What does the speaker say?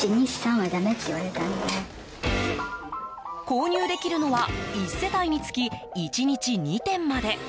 購入できるのは１世帯につき１日２点まで。